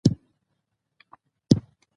بدخشان د افغانستان د کلتوري میراث برخه ده.